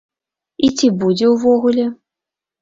І ці будзе ўвогуле?